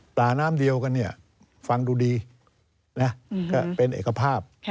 ปลาน้ำเดียวกันฟังดูดีเป็นเอกภาพ